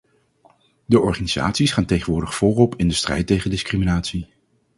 De organisaties gaan tegenwoordig voorop in de strijd tegen discriminatie.